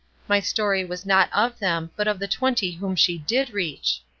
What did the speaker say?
My story was not of them, but of the twenty whom she did reach.